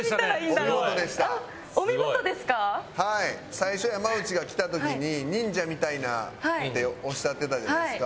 最初山内が来た時に「忍者みたいな」っておっしゃってたじゃないですか。